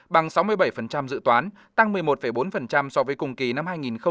bằng sáu mươi bảy dự toán tăng một mươi một bốn so với cùng kỳ năm hai nghìn một mươi chín